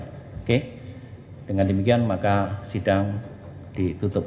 oke dengan demikian maka sidang ditutup